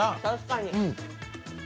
確かに。